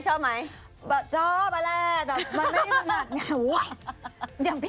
ชอบแหละแต่มันไม่ได้สนัท